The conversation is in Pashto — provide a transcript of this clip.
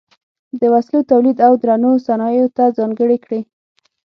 د وسلو تولید او درنو صنایعو ته ځانګړې کړې.